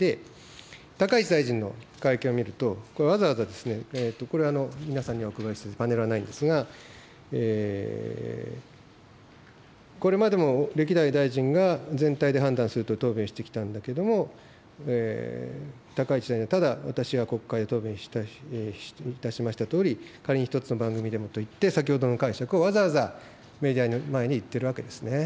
高市大臣の会見を見ると、これ、わざわざ、これは皆さんにお配りしている、パネルはないんですが、これまでも歴代大臣が全体で判断すると答弁してきたんだけども、高市大臣、ただ私は国会で答弁いたしましたとおり、仮に１つの番組でもと言って、先ほどの解釈をわざわざメディアの前に言ってるわけですね。